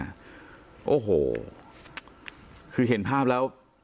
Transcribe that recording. โอ้โหคือเห็นภาพแล้ว